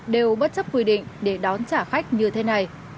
đều bất chấp quy định để đón trả khách như thế này